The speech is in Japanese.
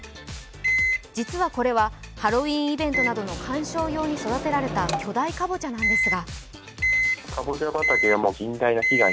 実はこれはハロウィーンイベントなどの観賞用に育てられた巨大かぼちゃなんですが。